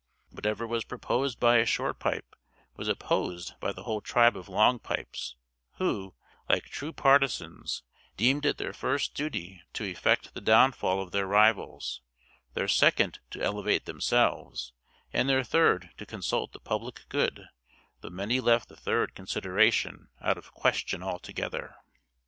Whatever was proposed by a Short Pipe was opposed by the whole tribe of Long Pipes, who, like true partisans, deemed it their first duty to effect the downfall of their rivals, their second to elevate themselves, and their third to consult the public good; though many left the third consideration out of question altogether.